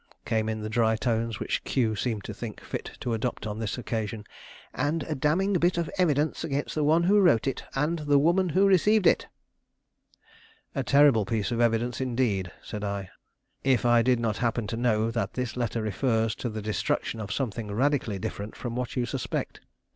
came in the dry tones which Q seemed to think fit to adopt on this occasion. "And a damning bit of evidence against the one who wrote it, and the woman who received it!" "A terrible piece of evidence, indeed," said I, "if I did not happen to know that this letter refers to the destruction of something radically different from what you suspect.